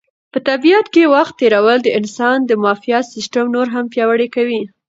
په طبیعت کې وخت تېرول د انسان د معافیت سیسټم نور هم پیاوړی کوي.